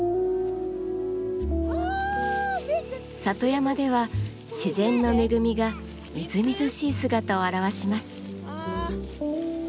里山では自然の恵みがみずみずしい姿を現します。